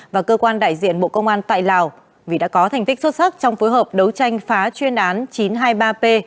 và cơ quan đại diện bộ công an tại lào vì đã có thành tích xuất sắc trong phối hợp đấu tranh phá chuyên án chín trăm hai mươi ba p